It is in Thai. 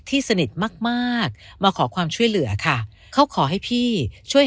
สนิทมากมากมาขอความช่วยเหลือค่ะเขาขอให้พี่ช่วย